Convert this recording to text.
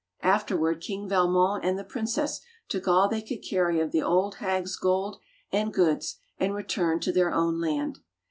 Afterward King Valmon and the princess took all they could carry of the old hag's gold and goods and returned to their own land.